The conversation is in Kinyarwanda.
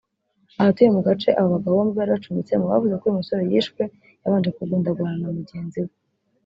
Abatuye mu gace aba bagabo bombi bari bacumbitsemo bavuze ko uyu musore yishwe yabanje kugundagurana na mugenzi we